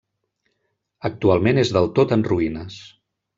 Actualment és del tot en ruïnes.